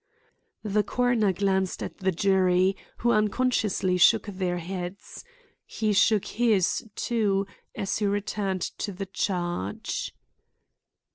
The coroner glanced at the jury, who unconsciously shook their heads. He shook his, too, as he returned to the charge.